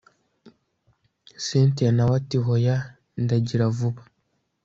cyntia nawe ati hoya ndagira vuga